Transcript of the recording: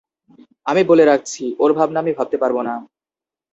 আমি বলে রাখছি ওর ভাবনা আমি ভাবতে পারব না।